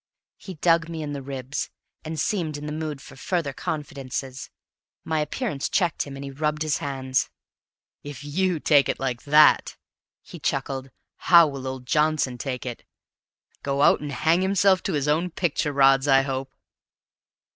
He dug me in the ribs, and seemed in the mood for further confidences. My appearance checked him, and he rubbed his hands. "If you take it like that," he chuckled, "how will old Johnson take it? Go out and hang himself to his own picture rods, I hope!"